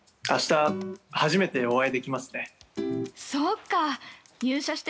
◆あした初めてお会いできますね。